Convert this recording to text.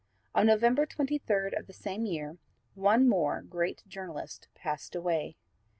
On November 23rd of the same year one more great journalist passed away.